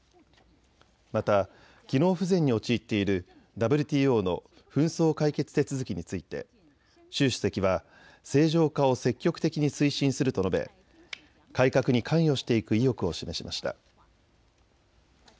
また機能不全に陥っているＷＴＯの紛争解決手続きについて習主席は正常化を積極的に推進すると述べ、改革に関与していく意欲を示しました。